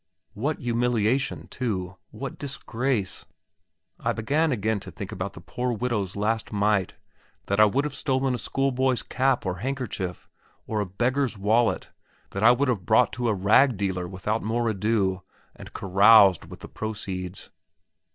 What humiliation, too; what disgrace! I began again to think about the poor widow's last mite, that I would have stolen a schoolboy's cap or handkerchief, or a beggar's wallet, that I would have brought to a rag dealer without more ado, and caroused with the proceeds.